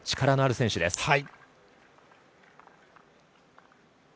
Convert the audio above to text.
力のある選手です。